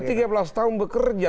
tidak pernah keinginan